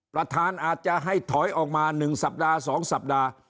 อาจจะให้ถอยออกมา๑สัปดาห์๒สัปดาห์